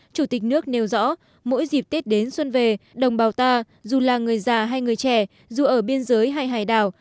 chủ tịch nước nêu rõ mỗi dịp tết đến xuân về đồng bào ta dù là người già hay người trẻ dù ở biên giới hay hải đảo